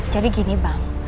jadi gini bang